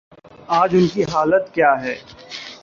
آج ان کی حالت کیا ہے؟